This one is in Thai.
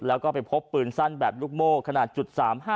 แล้วก็ไปพบปืนสั้นแบบลูกโม่ขนาด๓๕